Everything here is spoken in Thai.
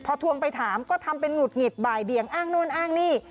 พอทวงไปถามก็ทำเป็นหุดหงิดบ่ายเบียงอ้างโน่นอ้างนี่